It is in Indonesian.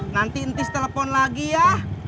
nanti intis telepon lagi ya